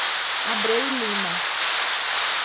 Abreu e Lima